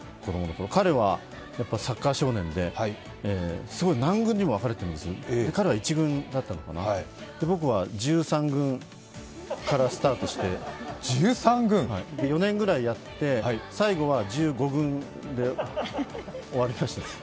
彼はサッカー少年ですごい何軍にも分かれてるんですけど、彼は１軍だったのかな、僕は１３軍からスタートして、４年ぐらいやって、最後は１５軍で終わりました。